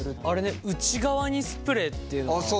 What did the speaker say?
あれね内側にスプレーっていうのは？